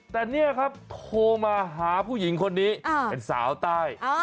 แต่เนี่ยครับโทรมาหาผู้หญิงคนนี้เป็นสาวใต้